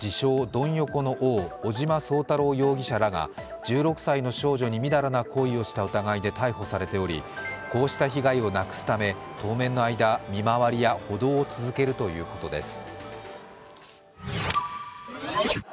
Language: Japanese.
・ドン横の王、尾島壮太郎容疑者らが１６歳の少女に淫らな行為をした疑いで逮捕されており、こうした被害をなくすため当面の間、見回りや補導を続けるということです。